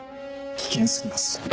危険過ぎます。